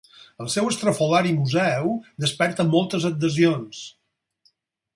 El seu estrafolari museu desperta moltes adhesions.